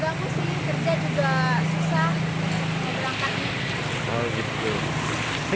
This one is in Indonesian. lumayan mengganggu sih kerja juga susah